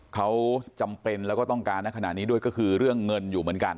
เขาจำเป็นแล้วก็ต้องการในขณะนี้ด้วยก็คือเรื่องเงินอยู่เหมือนกัน